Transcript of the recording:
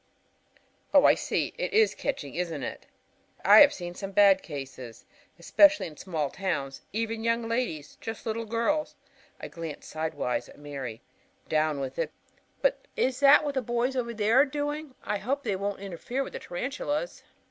"Oh, I see! It is catching, isn't it? I have seen some bad cases, especially in small towns. Every young lady, even just girls" I glance sidewise at Mary "down with it. But is that what those boys over there are doing? I hope they won't interfere with the tarantulas.